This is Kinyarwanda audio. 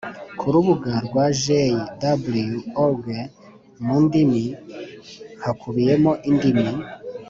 ku rubuga rwa jw org mu ndimi hakubiyemo indimi